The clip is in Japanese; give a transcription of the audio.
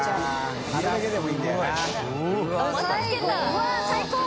うわっ最高！